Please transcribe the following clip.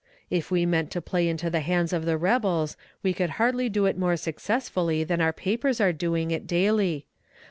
If we meant to play into the hands of the rebels, we could hardly do it more successfully than our papers are doing it daily.